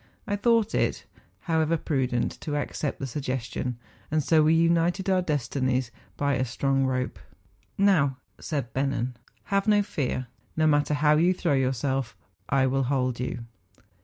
I thought it, liowever, prudent to accept the suggestion; and so we united our destinies hy a strong rope. 'Now,' said Bennen, ' have no fear ; no matter how you throw yourself, I will hold you.